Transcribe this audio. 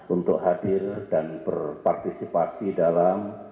untuk hadir dan berpartisipasi dalam